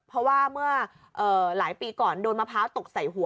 เพราะว่าเมื่อหลายปีก่อนโดนมะพร้าวตกใส่หัว